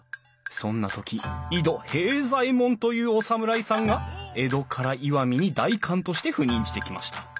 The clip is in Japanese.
そんな時井戸平左衛門というお侍さんが江戸から石見に代官として赴任してきました。